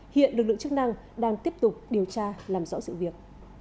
hiện lực lượng chức năng đang tiếp tục điều tra làm rõ sự việc